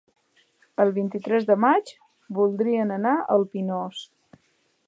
El vint-i-tres de maig voldrien anar al Pinós.